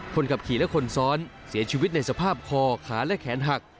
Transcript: คนขับขี่และคนซ้อนเสียชีวิตในสภาพคอขาและแขนหัก